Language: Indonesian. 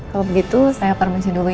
kalau begitu saya permisi dulu ya pak bu